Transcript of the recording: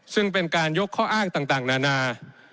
ซึ่งเป็นการยกข้ออ้างต่างนานา